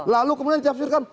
lalu kemudian dicapuskan